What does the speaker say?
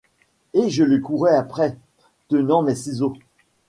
Et je lui courais après, tenant mes ciseaux.